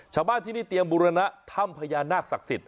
ชาวบ้านที่นี่เตรียมบุรณะถ้ำพญานาคศักดิ์สิทธิ